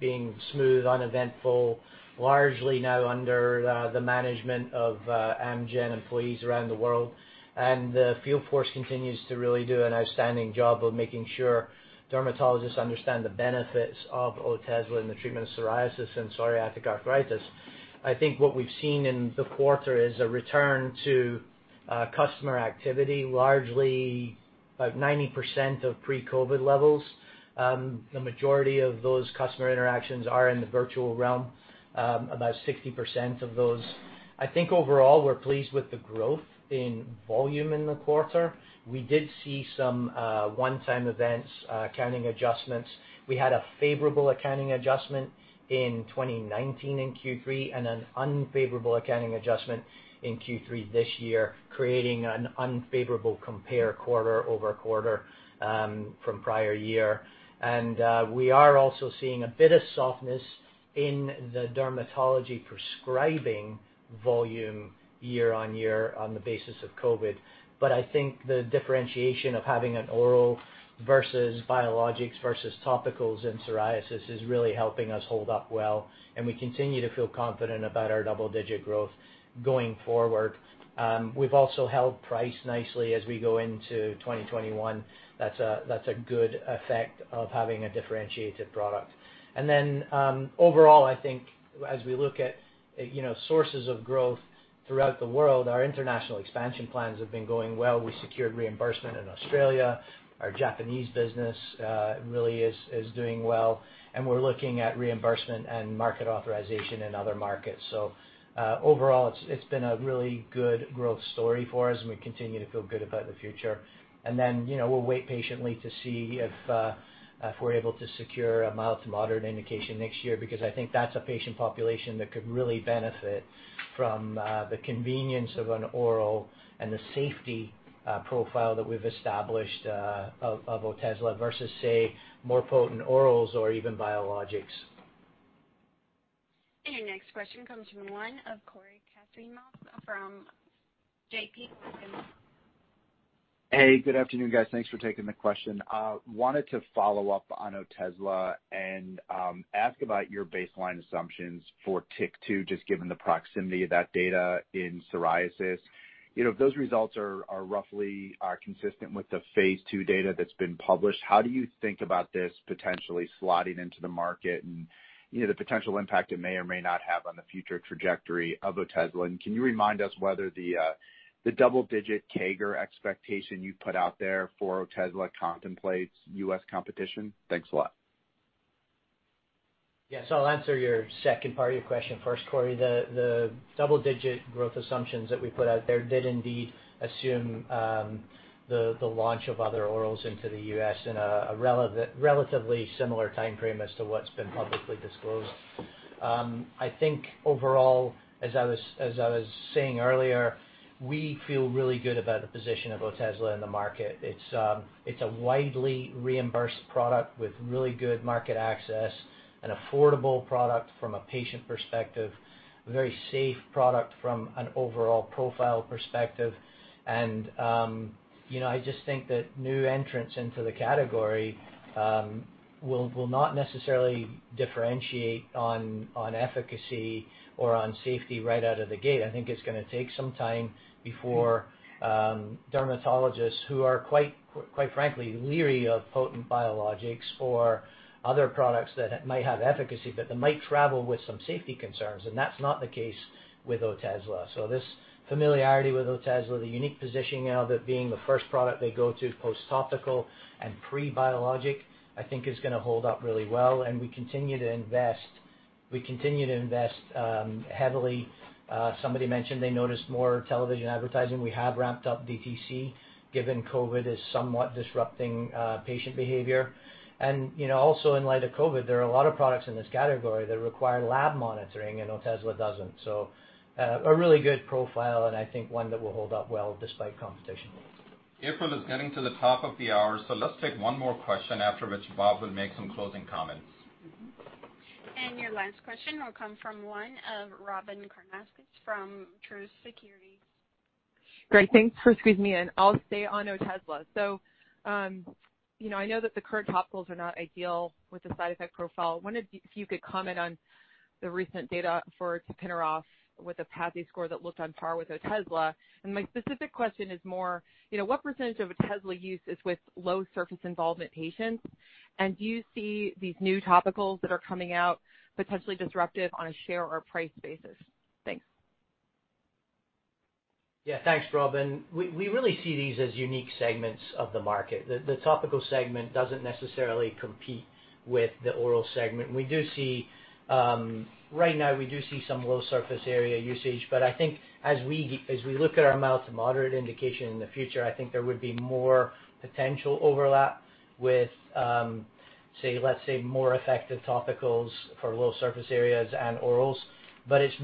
being smooth, uneventful, largely now under the management of Amgen employees around the world. The field force continues to really do an outstanding job of making sure dermatologists understand the benefits of OTEZLA in the treatment of psoriasis and psoriatic arthritis. What we've seen in the quarter is a return to customer activity, largely about 90% of pre-COVID levels. The majority of those customer interactions are in the virtual realm, about 60% of those. Overall, we're pleased with the growth in volume in the quarter. We did see some one-time events, accounting adjustments. We had a favorable accounting adjustment in 2019 in Q3 and an unfavorable accounting adjustment in Q3 this year, creating an unfavorable compare quarter-over-quarter from prior year. We are also seeing a bit of softness in the dermatology prescribing volume year-over-year on the basis of COVID. I think the differentiation of having an oral versus biologics versus topicals in psoriasis is really helping us hold up well, and we continue to feel confident about our double-digit growth going forward. We've also held price nicely as we go into 2021. That's a good effect of having a differentiated product. Overall, I think as we look at sources of growth throughout the world, our international expansion plans have been going well. We secured reimbursement in Australia. Our Japanese business really is doing well, and we're looking at reimbursement and market authorization in other markets. Overall, it's been a really good growth story for us, and we continue to feel good about the future. We'll wait patiently to see if we're able to secure a mild to moderate indication next year, because I think that's a patient population that could really benefit from the convenience of an oral and the safety profile that we've established of OTEZLA versus, say, more potent orals or even biologics. Your next question comes from the line of Cory Kasimov from JPMorgan. Hey, good afternoon, guys. Thanks for taking the question. Wanted to follow up on OTEZLA and ask about your baseline assumptions for TYK2, just given the proximity of that data in psoriasis. Those results are roughly consistent with the phase II data that's been published. How do you think about this potentially slotting into the market and the potential impact it may or may not have on the future trajectory of OTEZLA? Can you remind us whether the double-digit CAGR expectation you put out there for OTEZLA contemplates U.S. competition? Thanks a lot. Yes. I'll answer your second part of your question first, Cory. The double-digit growth assumptions that we put out there did indeed assume the launch of other orals into the U.S. in a relatively similar timeframe as to what's been publicly disclosed. I think overall, as I was saying earlier, we feel really good about the position of OTEZLA in the market. It's a widely reimbursed product with really good market access, an affordable product from a patient perspective, a very safe product from an overall profile perspective. I just think that new entrants into the category will not necessarily differentiate on efficacy or on safety right out of the gate. I think it's going to take some time before dermatologists who are, quite frankly, leery of potent biologics or other products that might have efficacy but that might travel with some safety concerns, and that's not the case with OTEZLA. This familiarity with OTEZLA, the unique positioning of it being the first product they go to post-topical and pre-biologic, I think is going to hold up really well, and we continue to invest heavily. Somebody mentioned they noticed more television advertising. We have ramped up DTC, given COVID is somewhat disrupting patient behavior. Also in light of COVID, there are a lot of products in this category that require lab monitoring, and OTEZLA doesn't. A really good profile, and I think one that will hold up well despite competition. April is getting to the top of the hour, let's take one more question, after which Bob will make some closing comments. Your last question will come from one Robyn Karnauskas from Truist Securities. Great. Thanks for squeezing me in. I'll stay on OTEZLA. I know that the current topicals are not ideal with the side effect profile. Wondered if you could comment on the recent data for tapinarof with a PASI score that looked on par with OTEZLA. My specific question is more, what % of OTEZLA use is with low surface involvement patients? Do you see these new topicals that are coming out potentially disruptive on a share or a price basis? Thanks. Yeah. Thanks, Robyn. We really see these as unique segments of the market. The topical segment doesn't necessarily compete with the oral segment. Right now we do see some low surface area usage, but I think as we look at our mild to moderate indication in the future, I think there would be more potential overlap with, let's say, more effective topicals for low surface areas and orals. But it's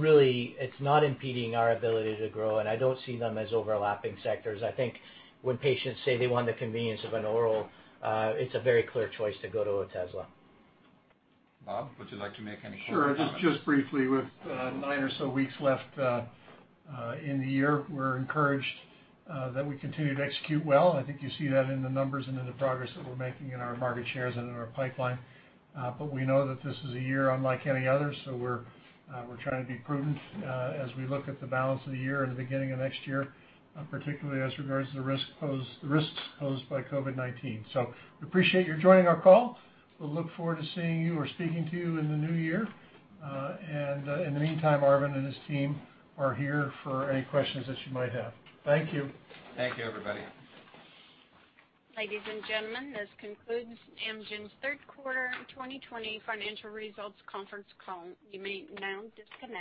not impeding our ability to grow, and I don't see them as overlapping sectors. I think when patients say they want the convenience of an oral, it's a very clear choice to go to OTEZLA. Bob, would you like to make any closing comments? Sure. Just briefly. With nine or so weeks left in the year, we're encouraged that we continue to execute well. I think you see that in the numbers and in the progress that we're making in our market shares and in our pipeline. We know that this is a year unlike any other, so we're trying to be prudent as we look at the balance of the year and the beginning of next year, particularly as regards to the risks posed by COVID-19. We appreciate your joining our call. We'll look forward to seeing you or speaking to you in the new year. In the meantime, Arvind and his team are here for any questions that you might have. Thank you. Thank you, everybody. Ladies and gentlemen, this concludes Amgen's third quarter 2020 financial results conference call. You may now disconnect.